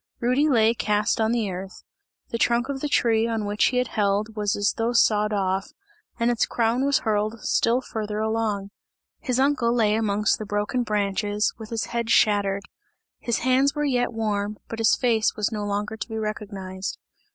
Rudy lay cast on the earth; the trunk of the tree on which he had held was as though sawed off, and its crown was hurled still farther along. His uncle lay amongst the broken branches, with his head shattered; his hands were yet warm, but his face was no longer to be recognized.